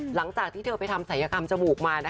หลังจากที่เธอไปทำศัยกรรมจมูกมา